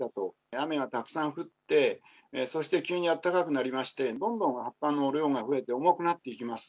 雨がたくさん降って、そして急に温かくなりまして、どんどん葉っぱの量が増えて、重くなっていきます。